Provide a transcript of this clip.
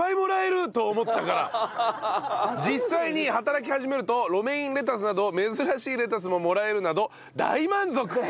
実際に働き始めるとロメインレタスなど珍しいレタスももらえるなど大満足！